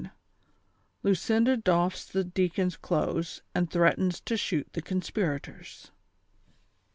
LTJCINDA DOFFS THE DEACON'S CLOTHES, AND THREAT ENS TO SHOOT THE CONSPIRATORS.